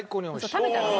食べたの？